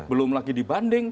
belum lagi di banding